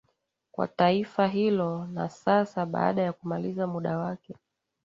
kwa taifa hilo na sasa baada ya kumaliza muda wake